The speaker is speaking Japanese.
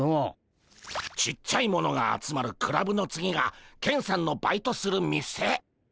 ちっちゃいものが集まるクラブの次がケンさんのバイトする店。